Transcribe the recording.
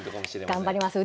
頑張ります。